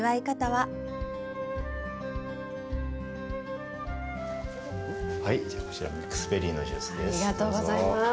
はい、こちらミックスベリーのジュースです。